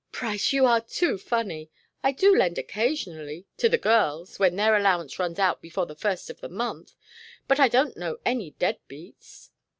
"Price, you are too funny! I do lend occasionally to the girls, when their allowance runs out before the first of the month; but I don't know any dead beats."